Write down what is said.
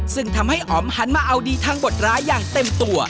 ซึ่งทำให้อ๋อมหันมาเอาดีทางบทร้ายอย่างเต็มตัว